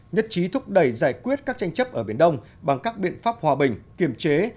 nhất trí thúc đẩy giải quyết các tranh chấp ở biển đông bằng các biện pháp hòa bình kiềm chế